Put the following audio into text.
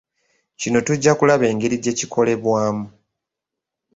Kino tujja kulaba engeri gyekikolebwamu.